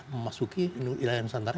memasuki wilayah musantara